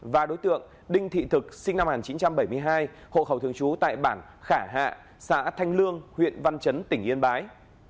và đối tượng đinh thị thực sinh năm một nghìn chín trăm bảy mươi hai hộ khẩu thường trú tại bản khả hạ xã thanh lương huyện văn chấn tỉnh yên bái